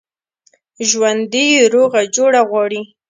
ژوندي روغه جوړه غواړي